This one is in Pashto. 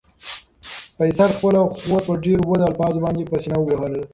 فیصل خپله خور په ډېرو بدو الفاظو باندې په سېنه ووهله.